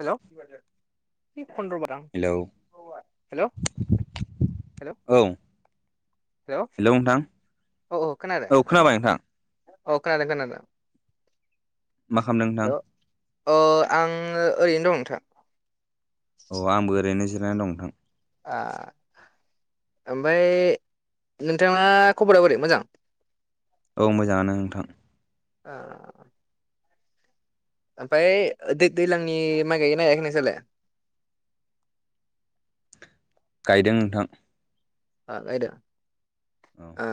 Hello hello. Hello hello औ। Hello नोंथां औ खोनाबाय नोंथां। अ खोनादों खोनादों। मा खालामदों नोंथां? हेलौ आं ओरैनो दं नोंथा'। अ आंबो ओरैनो जिरायनानै दं नोंथां। [inaudible] ओमफ्राय नोंथाना खबरा बोरै मोजां? औ मोजाङानो नोंथां। आ। ओमफाय दै दैलांनि माइ गायगोनना गायाखै नोंसलाय? [inaudible] गायदों नोंथां आ आयदा औ आ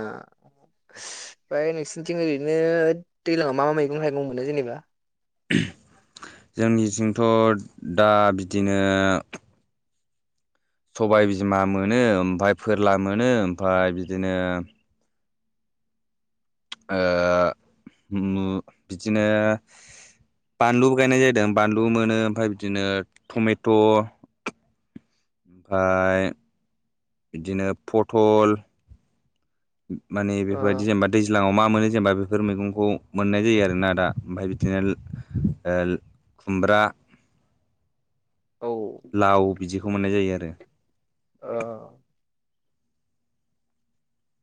फाय नोंसिनिथिं ओरैनो दैलाङाव मा मा मैगं थाइगं मोनो जेनेबा? थद दा बिदिनो सबाय बिमा मोनो ओमफाय फोरला मोनो ओमफाय बिदिनो ओ उमु बिदिनो बानलुबो गायनाय जायदों बानलु मोनो ओमफाय बिदिनो टमेट' फाय बिदिनो पथल माने ओ बेफोरबायदि जेनेबा दैज लाङाव मा मोनो जेनेबा बेफोर मैगंखौ मोननाय जायो आरोना दा ओमफाय बिदिनो ओल खुमब्रा औ लाव बिदिखौ मोननाय जायो आरो ओ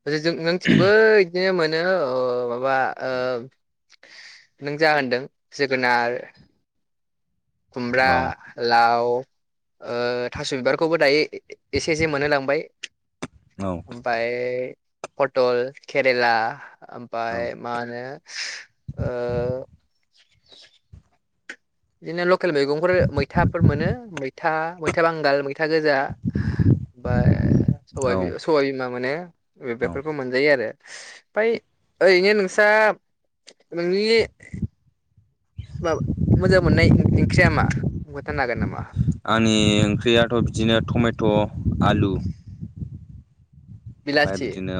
ओरै जों नोंथिंबो बिदिनो मोनो ओ माबा ओ नों जा होनदों जोगोनार खुमब्रा औ लाव ओ थास' बिबारखौबो दायो एसे एसे मोनहोलांबाय औ ओमफाय पटल केरेला औ ओमफाय मा होनो ओ [inaudible] दिनो लकेल मैगंफोर मैथाफोर मोनो मैथा मैथा बांगाल था गोजा बा सबायबि औ सबायबिमा मोनो बे औ बेफोरखौ मोनजायो आरो फाय यैनो नोंसाब नोंनि माव मोजां मोननाय ओंख्रिया मा बुथानो हागोन नामा? आंनि ओंख्रियाथ' बिदिनो टमेट' आलु ओमफाय बिलाथि बिदिनो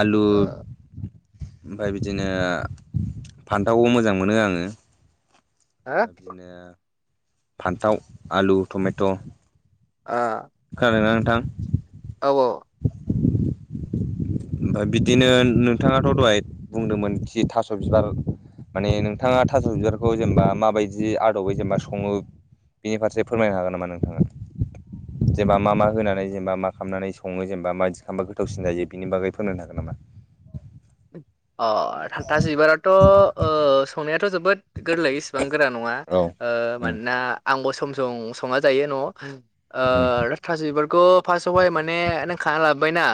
आलु ओ ओमफाय बिदिनो फान्थावबो मोजां मोनो आङो हो मा बिनो फान्थाव आलु टमेट' ओ खोनादों ना नोंथां? औ अ ओमफाय बिदिनो नोंथाङाथ' दहाय बुंदोंमोन खि थास' बिबार माने नोंथाङा थास' बिारखौ जेनेबा माबायदि आदबै जेनेबा सङो बिनि फारसे फोरमायनो हागोन नामा नोंथाङा? जेनबा मा होनानै जेनेबा मा खालामनानै सङो जेनेबा माबायदि खामबा गोथावसिन जायो बेनि बागै फोरमायनो हागोन नामा? अ थानथास जिबाराथ' ओ संनायाथ' जोबोद गोरलै इसेबां गोरा नङा औ ओ उम मानोना आंबो सम सम सङा जायो न' उम ओ थासो बिबारख' फार्स्टावहाय माने नों खा लाबोबायना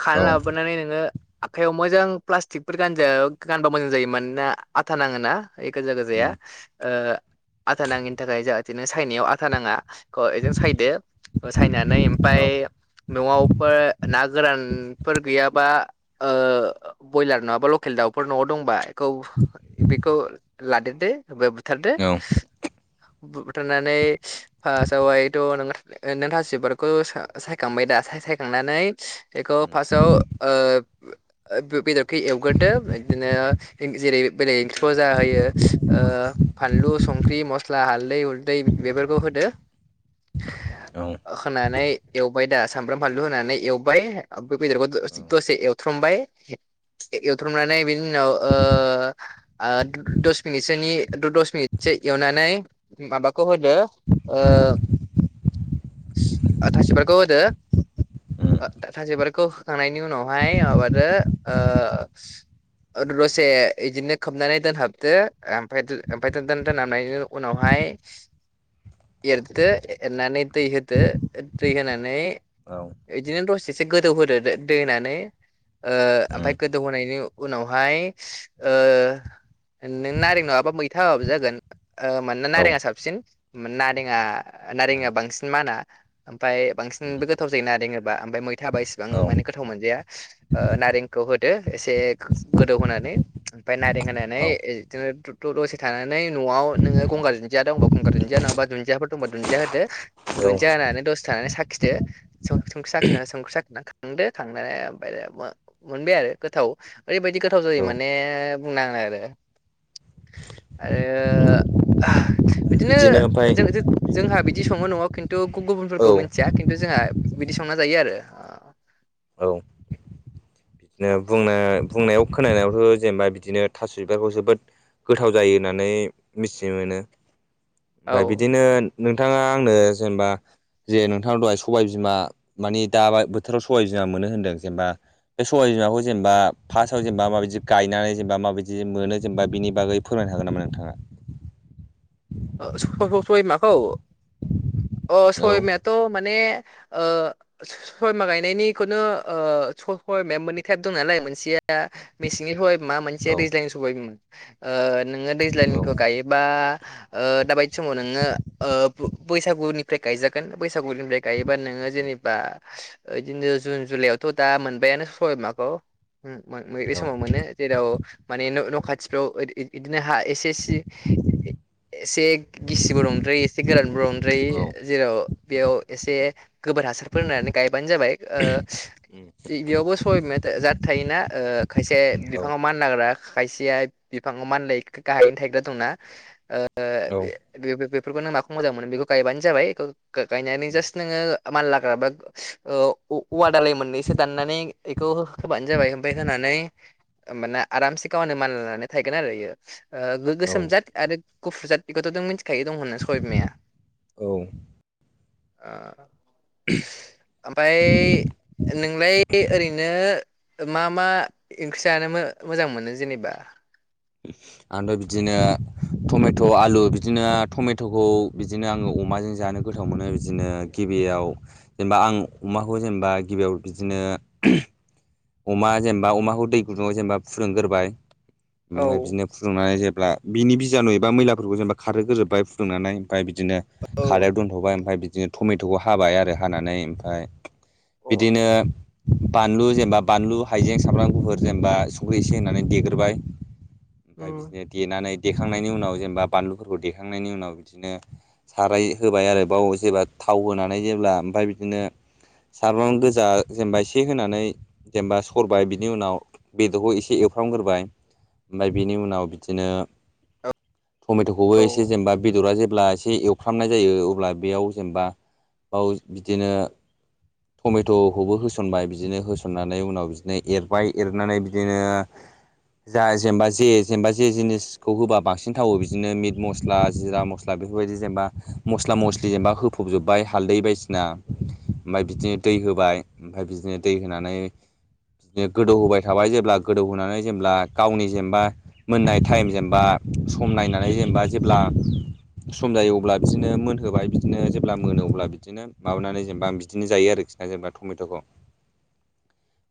खान औ लाबोनानै नोङो आखाइयाव मोजां प्लास्टिकफोर गानजो गानबा मोजां जाय मानोना आथा नाङो ना बे गोजा गोजाया उम ओ आथा नाङिनि थाखाय जाहाथेनो चाइनायाव आथा नाङा अ ए जों सायदो फोसायनानै औ ओमफाय न'आवफोर ना गोरानफोर गैयाबा ओ बयलार नङाबा लकेल दाउफोर न'आव दंबा खौ बिखौ लादेरदो ओमफाय बुथारदो उम बुथारनानै फार्स्टावहायथ' नों थसिबारखौ सायखांबाय दा सायखांनानै बेखौ फासयाव ओ ओ बेदरखौ एवग्रोदो बिदिनो जेरै बेलेग फुजा होयो ओ फानलु संख्रि मस्ला हालदै उलदै बेफोरखौ होदो औ उम औ उम औ होनानै एवबाय दा सामब्राम फानलु होनानै एवबाय बेदखौ दसे एवथ्रमबाय एवथ्रमनानै बिनि उनाव आव ओ दस मिनिटसो उनाव दु दस मिनिटसो एवनानै माबाखौ होदो ओ थास'बिबारखौ होदो थास'बिबारखौ होखांनायनि उनावहाय माबादो ओ दसे बिदिनो खोबनानै दोनहाबदो ओमफ्राय ओमफ्राय दोननानै दोनहाबनायनि उनावहाय एरदो एरनानै दैै होदो दै होनानै बिदिनो दसेस गोदौहदो दै होनानै ओ ओमफफ्राय गोदौहोनायनि उनावहाय ओ नों नारें नंङाबा मैथा होबाबो जागोन ओ मानोना नारेंआ साबसिन नारेंङा नारेंङा बांसिन माना ओमफ्राय उम बांसिनबो गोथाव जायो नारेंहोबा मैथा एसेबां गोथाव मोनजाया खौ होदो एसे गोदौ होनानै ओमफ्राय नारें होनानै औ बिदिनो' दसे थानानै नै न'आव नोङो गगार दुन्दिया दंब गंगार दुन्दिया नंङाबा दुन्दियाफोर दंबा दुन्दिया होदो औ दुनदिया होनानै दसे खानानै साखिदो संख्रि साखिनानै संख्रि साखिनानै खांदो खांनानै ओमफ्राय मोनबाय आरो गोथाव ओरैबायाददि गोथाव जायो माने बुंनाङो आरो आरो [unintelligible] बिदिनो जों जोंहा बिदि संङो न'आव खिन्थुुन औ गुबुनफोरखौ मिथिया खिन्थु जोंहा बिदि संना जायो आरो औ बिदिनो बुंनाय बुंनायाव खोनानायावथ' जेनेबा बिदिनो थास' बिबारखौ जोबोद गोथाव जायो होननानै मिथिनो मोनो ओमफ्राय आरो बिदिनो नोंथांङा आंनो जेनेबा जे नोंथांनाव दहाय सबायबिमा माने दाबा बोथोराव सबाइ बिमा मोनो होनदों जेनेबा बे सबाय बिमाखौ जेनेबा फार्स्टआव जेनेबा माबायदि गायनानै जेनेबा माबायदि मोनो जेनेबा बिनि बागै फोरमायनो हायो हागोन नामा नोंथाङा [inaudible] सबाय बिमाखौ अ सबाय औ बिमायाथ' माने ओ सबाय बिमा गायनायनिखौनो सबाय बिमाया मोननै टाइप दं नालाय मोनसेया दा मेसेंनि साबाय बिमा मोनसे औ दैज्लांनि सबाय बिमा ओ नोंङो दैज्लांनिखौ गायोबा ओ दाबायदि समाव नोंङो ओ बैसागुनिफ्राय गायजागोन बैसागु बैसागुनिफ्रा गायोबा नोंङो जेनि बा बिदिनो जुन जुलाइआवथ' दा मोनबायानो सबायबिमाखौ बे समाव मोनो जेराव माने खाथिफ्राव बिदिनो हा एसे ए सि [unintelligible] एसे गिसिबो नंद्रायो एसे गोरानबो नंद्रायो जेराव बेयाव एसे गोबोर हासारफोर होनानै गायबानो जाबाय ओ बेयावबो सबाय बिमा खायसे जाद थायोना खायसे बिफांङाव मानलाग्रा खायसेया बिफांव मानलाय गाहायनो थायग्रा दंना ओ औ बे बेफोरखौ नों माखौ मोजां मोनो बेखौ गायबानो जाबाय गायनानै जास्ट नोंङो माल लाग्रा बा ओ औवा दालाय मोननैसो दाननानै बेखौ हो होबानो जाबाय ओमाय होनानै माने आरामसे गावनो मान लानानै थायगोन आरोयो औ औ गोसोमजाद आरो गुफुरजात बेखौथ' नों मोनथि फिथाइ दं होननो सबायबिमाया औ ओमफाय नोंलाय ओरैनो मा मा ओंख्रि जानो मोजां मोनो जेनेबा ओमफ्राय बिदिनो टमेट' आलु बिदिनो टमेट'खौ बिदिनो आंङो अमाजों जानो गोथाव मोनो बिदिनो गिबियाव जेनेबा आं अमाखौ जेनेबा गिबियाव बिदिनो ओ अमा जेनेबा अमाखौ दै गुदुंङाव जेनेबा फुदुंग्रोबाय औ ओमफ्राय बिदिनो फुदुंनानै जेनबा बिनि बिजानु एबा मैलाफोरखौ जेनेब खारहोग्रोबबाय फुदुंनानै ओमफ्राय बिदिनो औ खारायाव दोनथ'बाय ओमफ्राय बिदिनो टमेट'खौ हाबाय आरो हानानै ओमफ्राय अ बिदिनो बानलु जेनेबा बानलु हाइजें सामब्राम गुफुर जेनेबा सख्रि एसे होनानै देग्रोबाय ओमफ्राय उम बिदिनो देनानै देखांनायनि उनाव जेनेबा बानलुफोरखौ देखांनायनि उनाव बिदिनो साराय होबाय आरो बाव जेबा थाव होनानै जेब्ला ओमफ्राय बिदिनो सामब्राम गोजा जेनेबा एसे होनानै जेनेबा सरबाय बिनि उनाव बेदरखौ एसे एवफ्रामग्रोबाय ओमफ्राय बेनि उनाव बिदिनो औ टमेट'खौबो एसे जेनेबा बेदरा जे अब्ला एसे एवफ्रामनाय जायो अब्ला बेयाव जेनेबा बाव बिदिनो टमेट'खौबो होसनबाय बिदिनो होसन होसननानै उनाव बिदिनो एरबाय एरनानै बिदिनो जा जेनेबा जे जेनेबा जे जिनिसखौ होबा बांसिन थावो बिदिनो मिट मस्ला जिरा मस्ला बेफोरबायदि जेनेबा मस्ला मस्लि जेनेबा होफबजोबबाय हाल्दै बायदिसिना ओमफ्राय बिदिनो दै होबाय ओमफ्राय बिदिनो दै होनानै बिनो गोदौ होबाय थाबाय जेब्ला गोदौहोनानै जेब्ला गावनि जेनेबा मोननाय टाइम जेनेबा सम नायनानै जेनेबा जेब्ला सम जायो अब्ला बिदिनो मोनहोबाय बिदिनो जेब्ला मोनो अब्ला बिदिनो माबानानै जेनेबा आं बिदिनो जायो आरोखि ा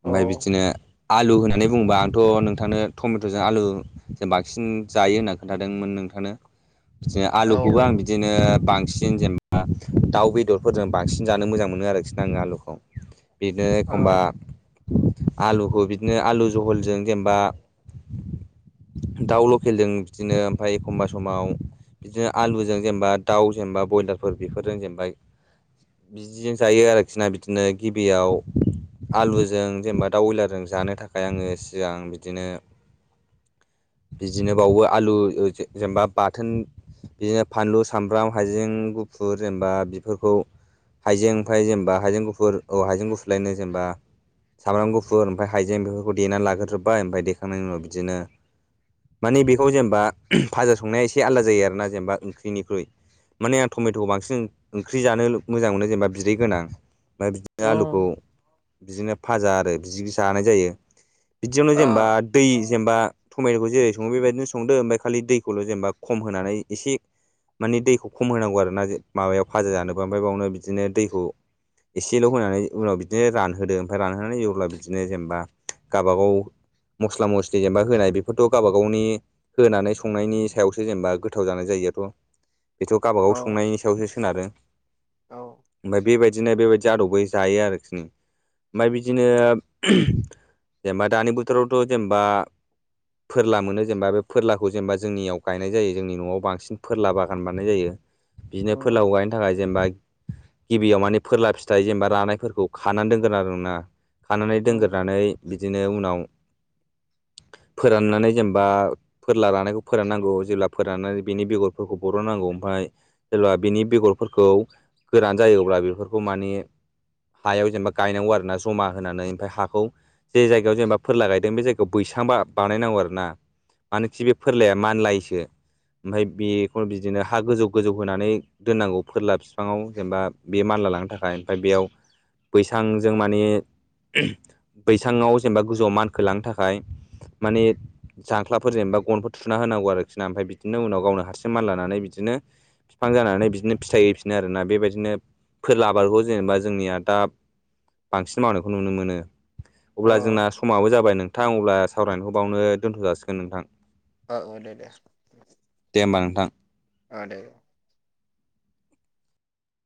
औ बि [inaudible] बुंबा आंथ' नोंथांनो टमेट'जों आलुजों बांसिन जायो होनना खोन्थादोंमोन नोंथांनो। बिदिनो आलुखौबो आं औ बिदिनो बांसिन जेनेबा दाउ बेदरफोरजों बांसिन जानो मोजां मोनो आरोखि न आङो आलुखौ बिदिनो औ एखमबा आलुखौ बिदिनो आलु जहलजों जेनेबा दाउ लकेलजों बिदिनो ओमफ्राय एखमबा समाव बिदिनो आलुजों जेनेबा दाउ जेनेबा ब्रयलारफोर बेफोरजों जेनेबा बिदिजों जायो आरोखि ना बिदिनो गिबियाव आलुजों जेनेबा दाउ बइलारजों जानो थाखाय आङो सिगां बिदिनो [inaudible] बिदिनो बावबो आलु जेनेबा बाथोन बिदिनो फानलु सामब्राम हाइजें गुफुर जेनेबा बेफोरखौ हाइजें ओमफ्राय जेनेबा हाइजें गुफुर औ हाइजें गुफुर लायनो जेनेबा सामब्राम गुफुर ओमफ्राय हाइजें बेफोरखौ देनानै लाग्रदोबबाय ओमफ्राय देखांनायनि उनाव बिदिनो माने बेखौ जेनेबा फाजा संनाया एसे आलादा जायो आरोोना जेनेबा ओंख्रिनिख्रुइ माने आं टमेट'खौ बांसिन ओंख्रि जानो मोजां मोनो जेनेबा बिदै गोनां ओमफ्राय बिदिनो आलुखौ उम बिदिनो फाजा आरो बिदि जानाय जायो। बिदियावनो अ जेनेबा दै जेनेबा टमेट'खौ जेरै सङो बेबायदिनो संदो ओमफ्राय खालि दैखौल' जेनेबा खम होनानै एसे माने दैखौ खम होनांगौ आरो ना माबायाव फाजा जानोबो ओमफ्राय बेयावनो बिदिनो दैखौ एसेल' होनानै उनाव बि बिदिनो रानहोदों ओमफ्राय रानहोनानै जेब्ला बिदिनो जेनेबा गावबागाव मस्ला मस्लि जेनेबा होनाय बेफोरथ' गावबा गावनि होनानै संनायनि सायावसो जेनेबा गोथाव जानाय जायो बेथ' गाव गाव औ संनायनि सायावसो सोनारो औ ओमफ्राय बेबाय बिदिनो बेबायदि आदबै जायो आरोखि न ओमफ्राय बिदिनो जेनेबा दानि बोथोरावथ' जेनबा फोरला मोनो जेनेबा बे फोरलाखौ जेनेबा जोंनियाव गायनाय जायो जोंनि न'आव बांसिन फोरला बागान बानायनाय जायो। बिनो उम फोरलाखौ गायनो थाखाय जेनबा गिबियाव मानि फोरला फिथाइ जेनबा रानायफोरखौ खानानै दोनगोन आरोना खानानै उम दोनगोरनानै बिदिनो उनाव [unintelligible] फोराननानै जेनबा फोरला रानायखौ फोराननांगौ जेब्ला फोराननानै बेनि बेगरफोरखौ बरनांगौ ओमफाय [unintelligible] बिनि बेगरफोरखौ गोरान जायो अब्ला बेफोरखौ मानि हायाव जेनबा गायनांगौ आरो ना जमा होनानै ओमफ्राय हाखौ जे जायगायाव जेनबा फोरला गायदों बे जायगायाव बैसां बा बानायनांगौ आरो ना मानोखि बे फोरलाया मानलायोसो ओमफाय बेखौ बिदिनो हा गोजौ गोजौ होनानै दोननांगौ फोरला बिफाङाव जेनेबा बे मान ला लांनो थाखाय ओमफ्राय बेयाव बैसां जों माने ओम बैसाङाव जेनेबा गोजौआव मानखोलांनो थाखाय माने जांख्लाफोरजों एनबा गनफोर थुना होनांगौ आरोखि ना ओमफाय बिदिनो उनाव गावनो हारसिं मानलानानै बिदिनो बिफां जानानै बिदिनो फिथाइ हैैफिनो आरोना बेबायदिनो फोरला आबादखौ जेनेबा जोंनिया दा बांसिन मावनायखौ नुनो मोनो अ अब्ला जोंना समाबो जाबाय नोंथां अब्ला सावरायनायखौ बावनो दोनथ' जासिगोन नोंथां ओ ओ दे दे दे होमबा नोंथां ओ दे